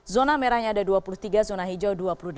zona merahnya ada dua puluh tiga zona hijau dua puluh delapan